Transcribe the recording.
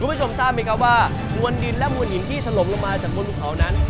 รุ่นผู้ชมท่านไปก็ว่ามวลดินและมวลหินที่ตะลมลงมาจากบนเมืองเขานั้น